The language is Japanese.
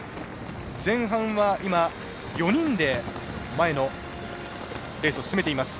前半は４人で前のレースを進めています。